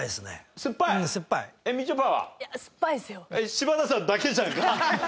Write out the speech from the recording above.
柴田さんだけじゃんか。